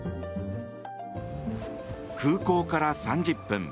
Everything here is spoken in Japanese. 空港から３０分。